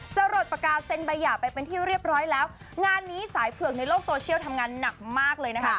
หลดปากกาเซ็นใบหย่าไปเป็นที่เรียบร้อยแล้วงานนี้สายเผือกในโลกโซเชียลทำงานหนักมากเลยนะคะ